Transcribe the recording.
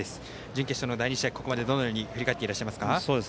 準決勝の第２試合、ここまでどのように振り返っていらっしゃいますか。